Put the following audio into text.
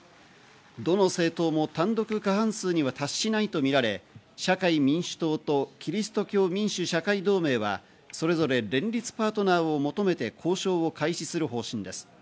どの政党も単独過半数には達しないとみられ、社会民主党とキリスト教民主・社会同盟は、それぞれ連立パートナーを求めて交渉を開始する方針です。